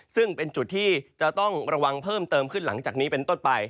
ซึ่งเป็นจุดที่จะต้องระวังเพิ่มเติมขึ้นหลังจากนี้เป็นต้นไป